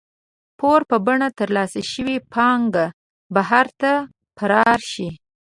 پور په بڼه ترلاسه شوې پانګه بهر ته فرار شي.